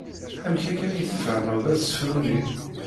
Amek akka ay tfehmeḍ asefru-nni?